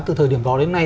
từ thời điểm đó đến nay